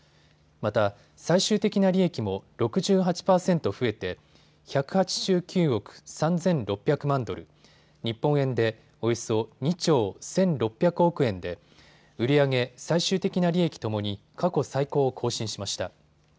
また、最終的な利益も６８％増えて１８９億３６００万ドル、日本円でおよそ２兆１６００億円で売り上げ、最終的な利益ともに過去最高を更新しました。